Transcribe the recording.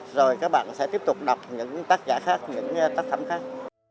rồi các bạn sẽ tiếp tục đọc những tác giả khác những tác phẩm khác